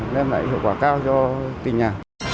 đem lại hiệu quả cao cho tỉnh nhà